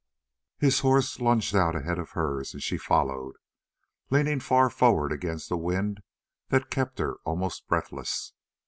His horse lunged out ahead of hers, and she followed, leaning far forward against a wind that kept her almost breathless.